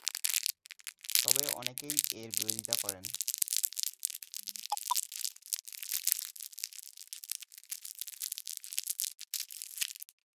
তবে অনেকেই এর বিরোধিতা করেন।